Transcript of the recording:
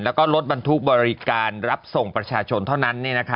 แล้วก็รถบรรทุกบริการรับส่งประชาชนเท่านั้น